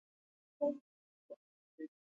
لیکوالان د ټولنې هنداره ده.